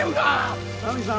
ナミさん